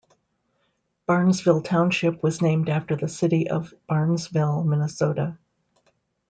Barnesville Township was named after the city of Barnesville, Minnesota.